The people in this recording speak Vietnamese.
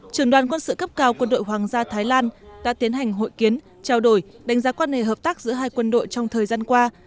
trường đoàn quân sự cấp cao quân đội hoàng gia thái lan đã tiến hành hội kiến trao đổi đánh giá quan hệ hợp tác giữa hai quân đội trong thời gian qua